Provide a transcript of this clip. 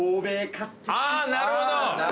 あぁなるほど！